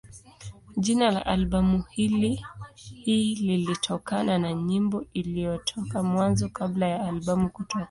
Jina la albamu hii lilitokana na nyimbo iliyotoka Mwanzo kabla ya albamu kutoka.